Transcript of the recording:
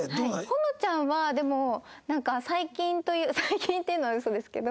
保乃ちゃんはでもなんか最近最近っていうのはウソですけど。